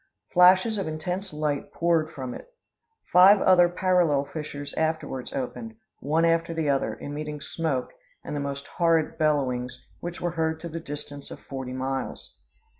Flashes of intense light poured from it. Five other parallel fissures afterwards opened, one after the other, emitting smoke, and the most horrid bellowings, which were heard to the distance of forty miles.